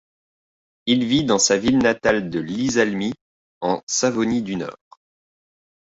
Il vit dans sa ville natale de Iisalmi, en Savonie du Nord.